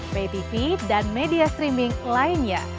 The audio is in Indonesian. ptv dan media streaming lainnya